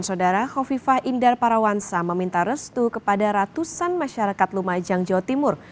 saudara hovifah indar parawansa meminta restu kepada ratusan masyarakat lumajang jawa timur